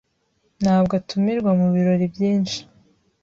ntabwo atumirwa mubirori byinshi.